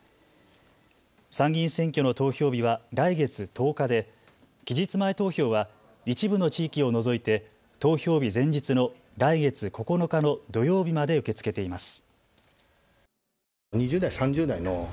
参議院選挙の投票日は来月１０日で期日前投票は一部の地域を除いて投票日前日の来月９日の土曜日まで受け付けています。